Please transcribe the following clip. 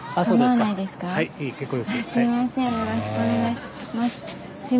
よろしくお願いします。